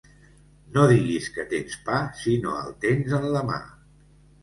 No diguis que tens pa si no el tens en la mà.